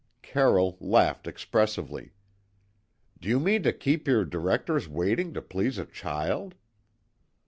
Carroll laughed expressively. "Do you mean to keep your directors waiting to please a child?"